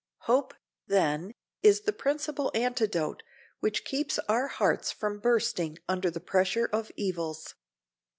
Hope, then, is the principal antidote which keeps our hearts from bursting under the pressure of evils.